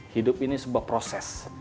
hidup ini sebuah proses